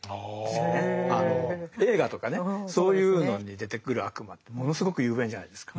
映画とかねそういうのに出てくる悪魔ってものすごく雄弁じゃないですか。